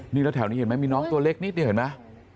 นี่แล้วแถวนี้เห็นมั้ยมีน้องตัวเล็กนิดเนี้ยเห็นมั้ย